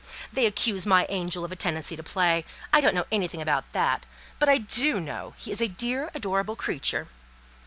They accuse my angel of a tendency to play: I don't know anything about that, but I do know he is a dear, adorable creature.